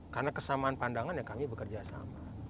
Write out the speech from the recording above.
karena kesamaan pandangan ya kami bekerja sama